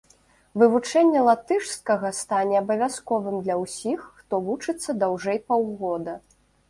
Вывучэнне латышскага стане абавязковым для ўсіх, хто вучыцца даўжэй паўгода.